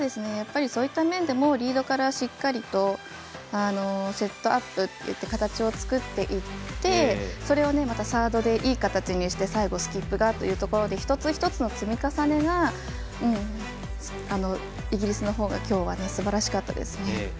そういった面でもリードからしっかりとセットアップっていって形を作っていってそれをまたサードでいい形にして最後、スキップがというところで一つ一つの積み重ねがイギリスのほうが今日はすばらしかったですね。